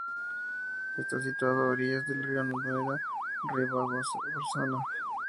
Está situado a orillas del río Noguera Ribagorzana.